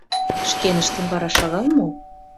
Шкеныштын вара шагал мо?